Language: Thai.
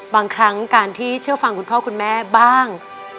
บางครั้งการที่เชื่อฟังคุณพ่อคุณแม่บ้าง